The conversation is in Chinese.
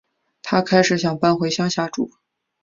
她开始想搬回乡下住